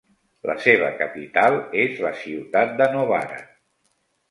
La seva capital és la ciutat de Novara.